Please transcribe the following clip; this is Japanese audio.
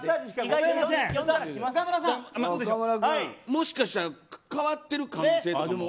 もしかしたら変わってる可能性も。